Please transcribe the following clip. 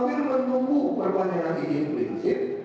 ini menggunakan ada terpaisa